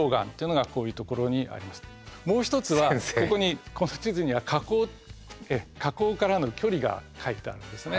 もう一つはここにこの地図には火口からの距離が書いてあるんですね。